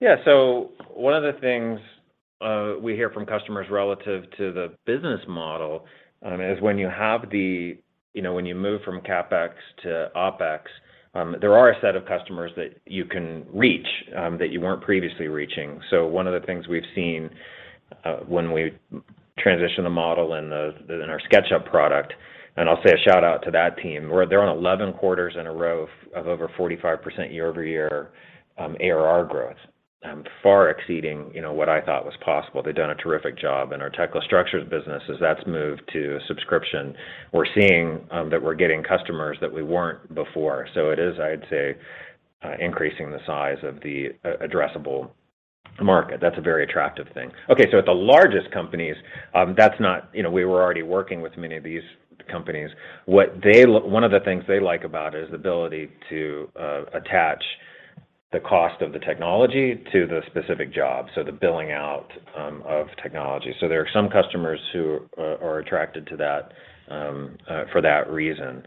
Yeah. One of the things we hear from customers relative to the business model is when you have the you know, when you move from CapEx to OpEx, there are a set of customers that you can reach that you weren't previously reaching. One of the things we've seen when we transition the model in our SketchUp product, and I'll say a shout-out to that team, they're on 11 quarters in a row of over 45% year-over-year ARR growth, far exceeding you know, what I thought was possible. They've done a terrific job. In our Tekla Structures business, as that's moved to subscription, we're seeing that we're getting customers that we weren't before. It is, I'd say, increasing the size of the addressable market. That's a very attractive thing. You know, we were already working with many of these companies. What they like about it is the ability to attach the cost of the technology to the specific job, so the billing out of technology. There are some customers who are attracted to that for that reason.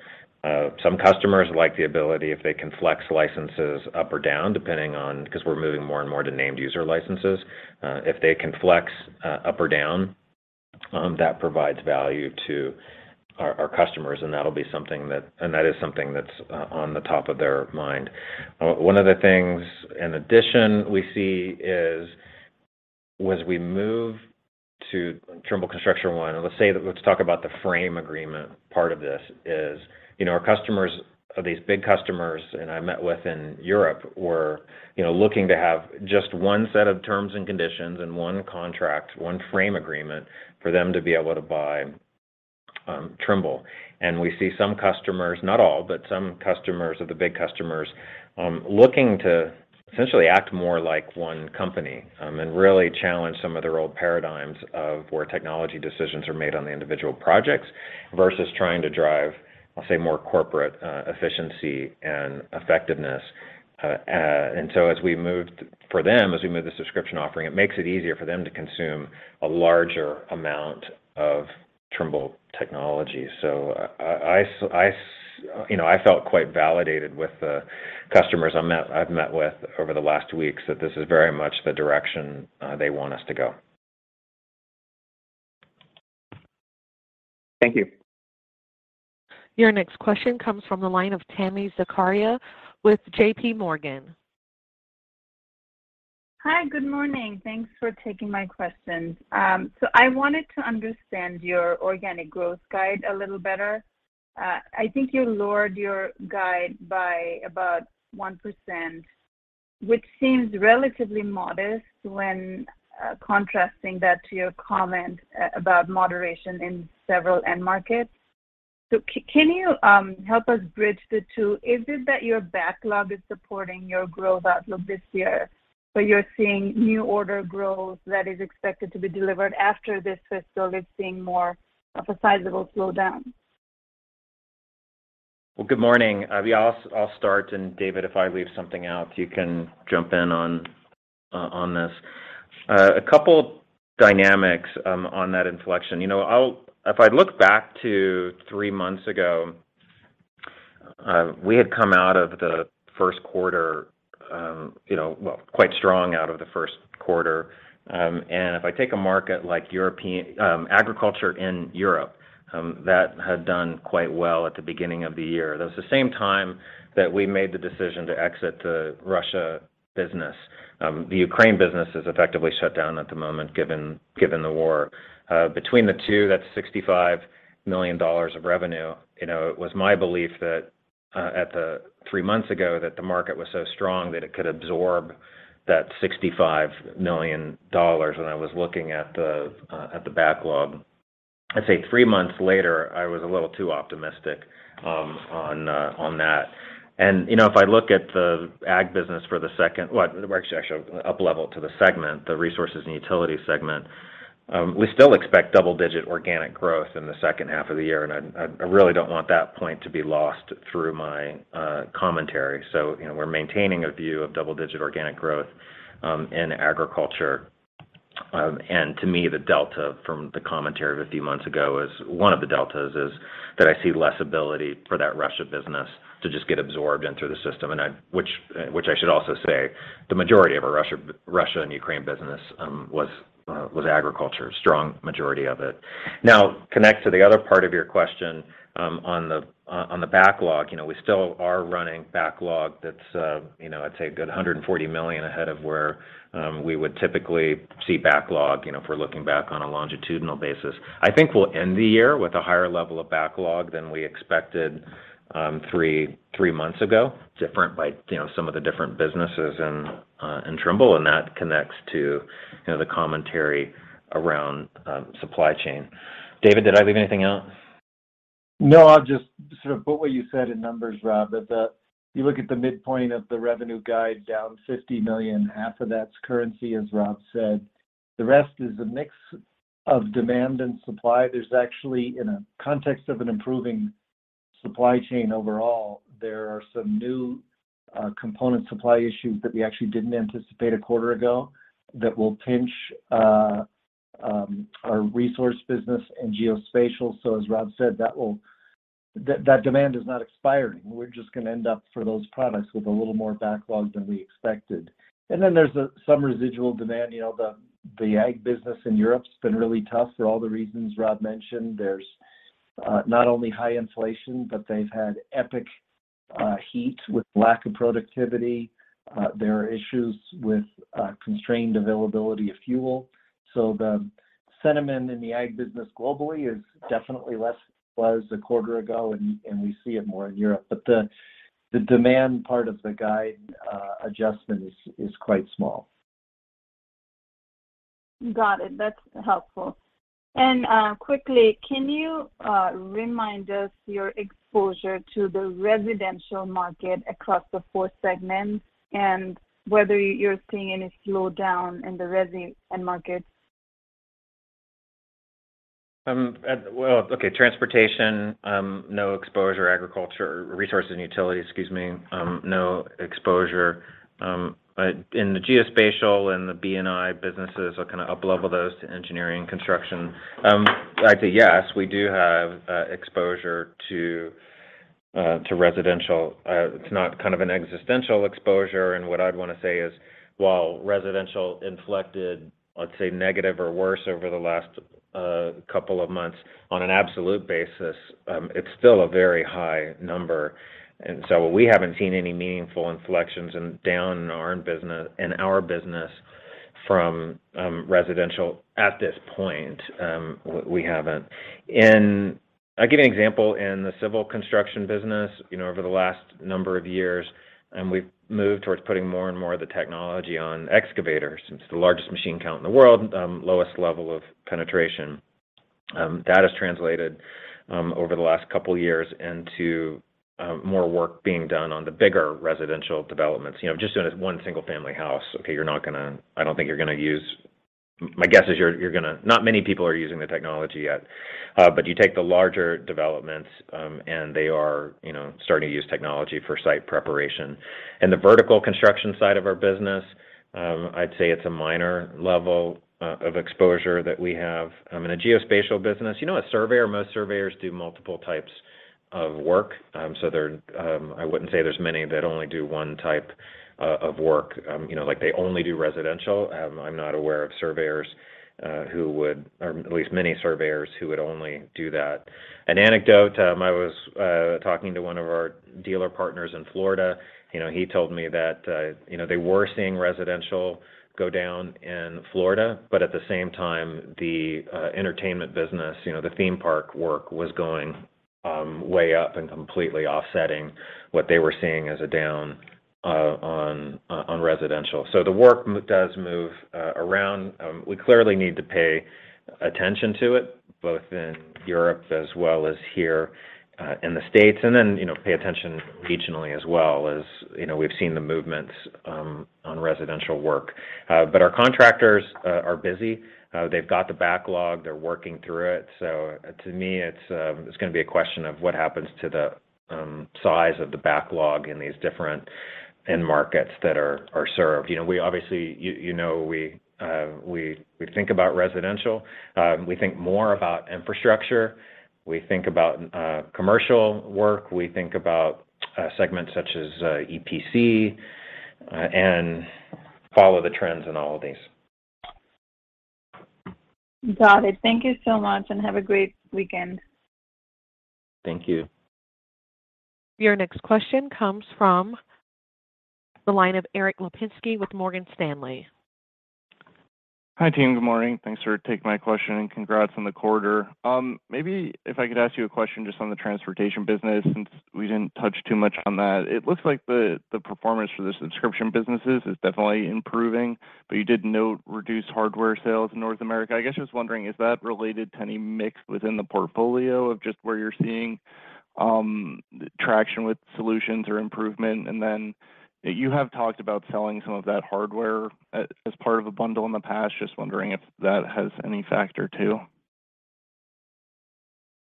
Some customers like the ability, if they can flex licenses up or down, depending on, 'cause we're moving more and more to named user licenses. If they can flex up or down, that provides value to our customers, and that'll be something, and that is something that's on top of their mind. One of the things in addition we see is as we move to Trimble Construction One, let's say, let's talk about the frame agreement part of this. Our customers, these big customers that I met with in Europe, were, you know, looking to have just one set of terms and conditions and one contract, one frame agreement for them to be able to buy Trimble. We see some customers, not all, but some customers of the big customers looking to essentially act more like one company and really challenge some of their old paradigms of where technology decisions are made on the individual projects versus trying to drive, I'll say, more corporate efficiency and effectiveness. As we move the subscription offering, it makes it easier for them to consume a larger amount of Trimble technology. You know, I felt quite validated with the customers I've met with over the last weeks that this is very much the direction they want us to go. Thank you. Your next question comes from the line of Tami Zakaria with J.P. Morgan. Hi. Good morning. Thanks for taking my questions. I wanted to understand your organic growth guide a little better. I think you lowered your guide by about 1%, which seems relatively modest when contrasting that to your comment about moderation in several end markets. Can you help us bridge the two? Is it that your backlog is supporting your growth outlook this year, but you're seeing new order growth that is expected to be delivered after this fiscal is seeing more of a sizable slowdown? Well, good morning. Yeah, I'll start, and David, if I leave something out, you can jump in on this. A couple dynamics on that inflection. You know, if I look back to three months ago, we had come out of the Q1 quite strong out of the Q1. If I take a market like European agriculture in Europe, that had done quite well at the beginning of the year. That was the same time that we made the decision to exit the Russia business. The Ukraine business is effectively shut down at the moment given the war. Between the two, that's $65 million of revenue. You know, it was my belief that three months ago the market was so strong that it could absorb that $65 million when I was looking at the backlog. I'd say three months later, I was a little too optimistic on that. You know, if I look at the ag business. Well, actually I should up-level to the segment, the resources and utility segment. We still expect double-digit organic growth in the H2 of the year, and I really don't want that point to be lost through my commentary. You know, we're maintaining a view of double-digit organic growth in agriculture. To me, the delta from the commentary of a few months ago is, one of the deltas is that I see less ability for that Russia business to just get absorbed into the system. Which I should also say the majority of our Russia and Ukraine business was agriculture, strong majority of it. Now connect to the other part of your question on the backlog. You know, we still are running backlog that's you know, I'd say a good $140 million ahead of where we would typically see backlog, you know, if we're looking back on a longitudinal basis. I think we'll end the year with a higher level of backlog than we expected three months ago. Different by, you know, some of the different businesses in Trimble, and that connects to, you know, the commentary around supply chain. David, did I leave anything out? No, I'll just sort of put what you said in numbers, Rob. You look at the midpoint of the revenue guide down $50 million, half of that's currency, as Rob said. The rest is a mix of demand and supply. There's actually, in a context of an improving supply chain overall, there are some new component supply issues that we actually didn't anticipate a quarter ago that will pinch our resource business and geospatial. As Rob said, that demand is not expiring. We're just gonna end up for those products with a little more backlog than we expected. There's some residual demand. The ag business in Europe's been really tough for all the reasons Rob mentioned. There's not only high inflation, but they've had epic heat with lack of productivity. There are issues with constrained availability of fuel. The sentiment in the ag business globally is definitely less than it was a quarter ago, and we see it more in Europe. The demand part of the guide adjustment is quite small. Got it. That's helpful. Quickly, can you remind us your exposure to the residential market across the four segments and whether you're seeing any slowdown in the resi end markets? Well, okay, transportation, no exposure. Agriculture, resources and utilities, excuse me, no exposure. In the geospatial and the B&I businesses, I'll kind of up-level those to engineering, construction. I'd say yes, we do have exposure to residential. It's not kind of an existential exposure, and what I'd want to say is while residential inflected, let's say, negative or worse over the last couple of months, on an absolute basis, it's still a very high number. We haven't seen any meaningful inflections and down in our business from residential at this point. We haven't. I'll give you an example. In the civil construction business, you know, over the last number of years, and we've moved towards putting more and more of the technology on excavators. It's the largest machine count in the world, lowest level of penetration. That has translated over the last couple years into more work being done on the bigger residential developments. You know, just doing this one single family house, okay. I don't think you're gonna use. My guess is not many people are using the technology yet. You take the larger developments, and they are, you know, starting to use technology for site preparation. In the vertical construction side of our business, I'd say it's a minor level of exposure that we have. In the geospatial business, you know, a surveyor, most surveyors do multiple types of work. They're, I wouldn't say there's many that only do one type of work, you know, like they only do residential. I'm not aware of surveyors who would, or at least many surveyors who would only do that. An anecdote, I was talking to one of our dealer partners in Florida. You know, he told me that, you know, they were seeing residential go down in Florida, but at the same time, the entertainment business, you know, the theme park work was going way up and completely offsetting what they were seeing as a down on residential. The work does move around. We clearly need to pay attention to it, both in Europe as well as here in the States, and then, you know, pay attention regionally as well as, you know, we've seen the movements on residential work. Our contractors are busy. They've got the backlog. They're working through it. To me, it's gonna be a question of what happens to the size of the backlog in these different end markets that are served. You know, we obviously think about residential. We think more about infrastructure. We think about commercial work. We think about segments such as EPC and follow the trends in all of these. Got it. Thank you so much, and have a great weekend. Thank you. Your next question comes from the line of Erik Lapinski with Morgan Stanley. Hi, team. Good morning. Thanks for taking my question, and congrats on the quarter. Maybe if I could ask you a question just on the transportation business since we didn't touch too much on that. It looks like the performance for the subscription businesses is definitely improving, but you did note reduced hardware sales in North America. I guess just wondering, is that related to any mix within the portfolio of just where you're seeing traction with solutions or improvement? And then you have talked about selling some of that hardware as part of a bundle in the past. Just wondering if that has any factor, too.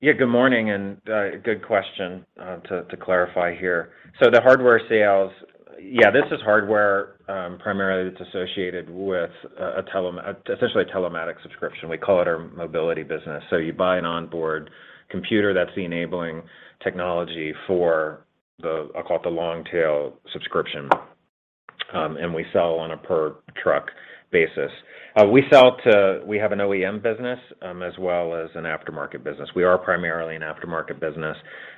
Yeah, good morning and good question to clarify here. The hardware sales. Yeah, this is hardware, primarily that's associated with essentially a telematics subscription. We call it our mobility business. You buy an onboard computer that's enabling technology for the, I'll call it the long tail subscription, and we sell on a per truck basis. We have an OEM business, as well as an aftermarket business. We are primarily an aftermarket business.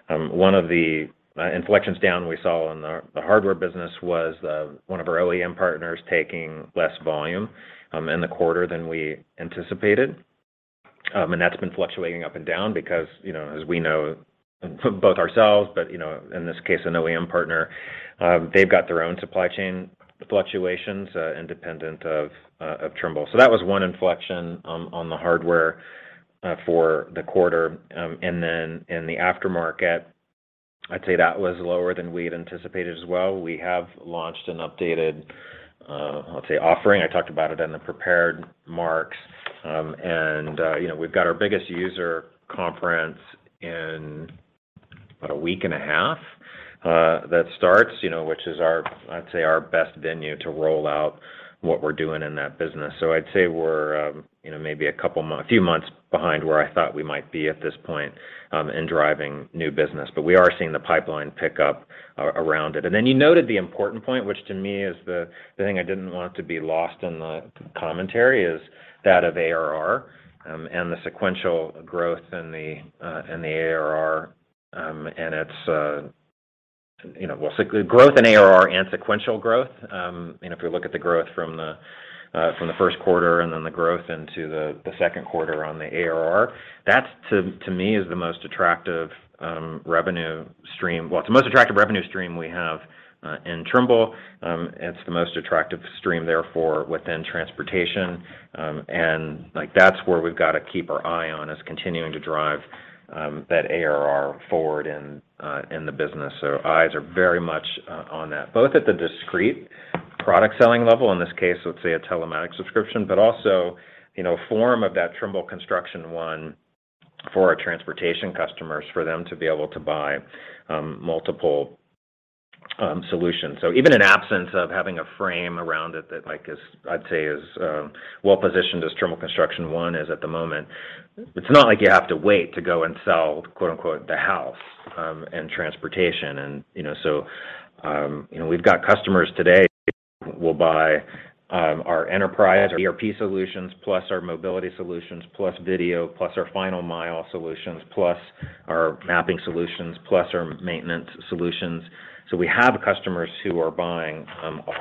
One of the inflections down we saw in the hardware business was one of our OEM partners taking less volume in the quarter than we anticipated. That's been fluctuating up and down because, you know, as we know, both ourselves, but, you know, in this case, an OEM partner, they've got their own supply chain fluctuations, independent of Trimble. So that was one inflection, on the hardware, for the quarter. Then in the aftermarket, I'd say that was lower than we'd anticipated as well. We have launched an updated, let's say offering. I talked about it in the prepared remarks. You know, we've got our biggest user conference in about a week and a half, that starts, you know, which is our, I'd say, our best venue to roll out what we're doing in that business. I'd say we're, you know, maybe a few months behind where I thought we might be at this point, in driving new business. We are seeing the pipeline pick up around it. Then you noted the important point, which to me is the thing I didn't want to be lost in the commentary is that of ARR, and the sequential growth in the ARR, and its, you know, well, growth in ARR and sequential growth. You know, if you look at the growth from the Q1 and then the growth into the Q2 on the ARR, that's, to me, is the most attractive revenue stream. Well, it's the most attractive revenue stream we have in Trimble. It's the most attractive stream, therefore, within transportation. Like, that's where we've got to keep our eye on, is continuing to drive that ARR forward in the business. Our eyes are very much on that, both at the discrete product selling level, in this case, let's say a telematics subscription, but also, you know, form of that Trimble Construction One for our transportation customers, for them to be able to buy multiple solutions. Even in absence of having a frame around it that, like, is, I'd say, well-positioned as Trimble Construction One is at the moment, it's not like you have to wait to go and sell, quote-unquote, the house in transportation. You know, we've got customers today will buy our enterprise ERP solutions, plus our mobility solutions, plus video, plus our final mile solutions, plus our mapping solutions, plus our maintenance solutions. We have customers who are buying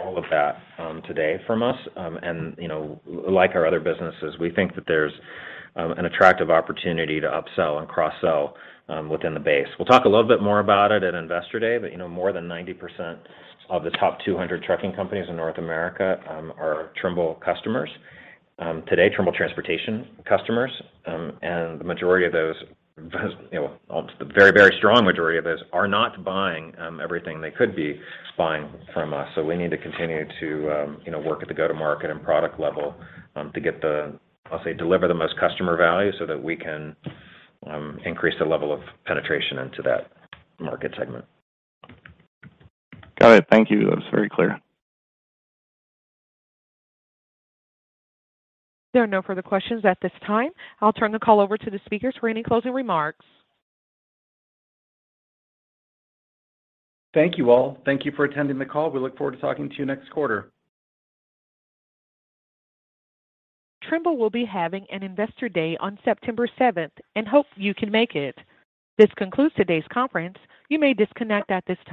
all of that today from us. You know, like our other businesses, we think that there's an attractive opportunity to upsell and cross-sell within the base. We'll talk a little bit more about it at Investor Day, but you know, more than 90% of the top 200 trucking companies in North America are Trimble customers. Today, Trimble transportation customers, and the majority of those, you know, a very, very strong majority of those are not buying everything they could be buying from us. We need to continue to, you know, work at the go-to-market and product level, to get the, I'll say, deliver the most customer value so that we can, increase the level of penetration into that market segment. Got it. Thank you. That was very clear. There are no further questions at this time. I'll turn the call over to the speakers for any closing remarks. Thank you, all. Thank you for attending the call. We look forward to talking to you next quarter. Trimble will be having an Investor Day on September 7th and hope you can make it. This concludes today's conference. You may disconnect at this time.